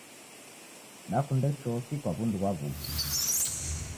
Dakunde choki kwa w'undu ghwa w'uki.